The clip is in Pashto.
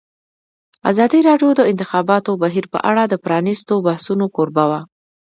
ازادي راډیو د د انتخاباتو بهیر په اړه د پرانیستو بحثونو کوربه وه.